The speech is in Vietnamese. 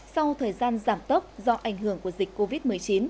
sau thời gian giảm tốc do ảnh hưởng của dịch covid một mươi chín